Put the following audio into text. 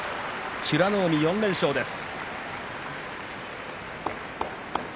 美ノ海、４連勝です。